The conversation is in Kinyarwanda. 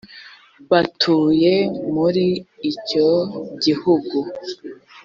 batuye muri icyo gihugu